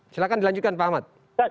silahkan dilanjutkan pak ahmad